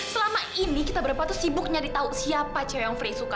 selama ini kita berdua sibuk nyari tahu siapa cewek yang frey suka